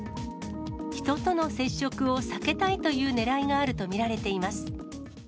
人との接触を避けたいというねらいがあると見られています。